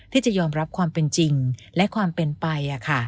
ที่จะยอมรับความเป็นจริงและความเป็นไป